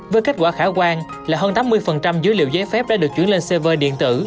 với kết quả khả quan là hơn tám mươi dữ liệu giấy phép đã được chuyển lên xe vơi điện tử